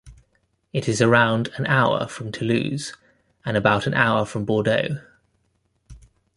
It is around an hour from Toulouse and around an hour from Bordeaux.